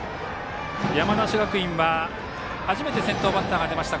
山梨学院は初めて先頭バッターが出ました